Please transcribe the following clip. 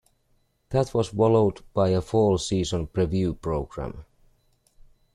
That was followed by a fall season preview program.